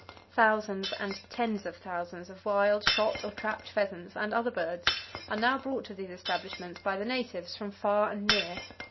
Thousands and tens of thousands of wild shot or trapped pheasants and other birds are now brought to these establishments by the natives from far and near.